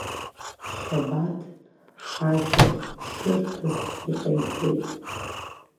Шьабаҭ, ашәахь ԥшырҭас иҟаиҵеит.